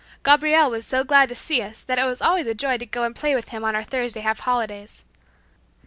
Gabriel was so glad to see us that it was always a joy to go and play with him on our Thursday half holidays.